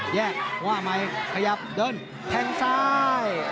แยกว่าใหม่ขยับเดินแทงซ้าย